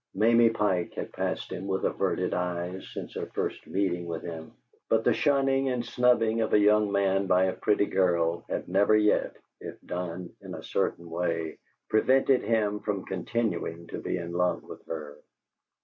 Mamie Pike had passed him with averted eyes since her first meeting with him, but the shunning and snubbing of a young man by a pretty girl have never yet, if done in a certain way, prevented him from continuing to be in love with her.